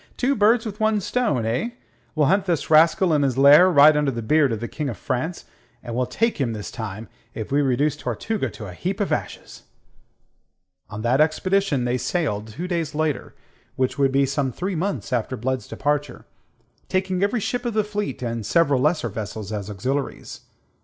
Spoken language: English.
"Two birds with one stone, eh? We'll hunt this rascal in his lair, right under the beard of the King of France, and we'll take him this time, if we reduce Tortuga to a heap of ashes." On that expedition they sailed two days later which would be some three months after Blood's departure taking every ship of the fleet, and several lesser vessels as auxiliaries.